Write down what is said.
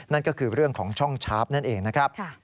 นั่นก็คือเรื่องของช่องชาร์ฟนั่นเองนะครับ